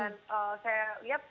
dengan talent talent dari indonesia